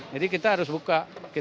jadi kita harus buka